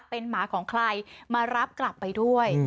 เป็นหมาของใครมารับกลับไปด้วย